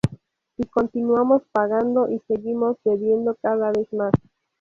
Y continuamos pagando y seguimos debiendo cada vez más.